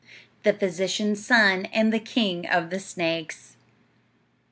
THE PHYSICIAN'S SON AND THE KING OF THE SNAKES.